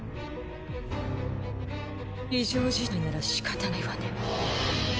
非常事態ならしかたないわね。